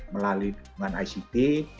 melalui dukungan ict